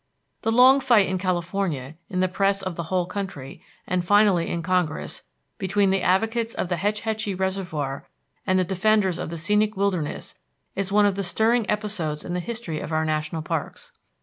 The long fight in California, in the press of the whole country, and finally in Congress, between the advocates of the Hetch Hetchy reservoir and the defenders of the scenic wilderness is one of the stirring episodes in the history of our national parks.